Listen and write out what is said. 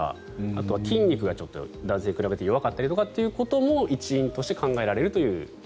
あとは、筋肉が男性に比べて弱かったりとかってことも一因として考えられると。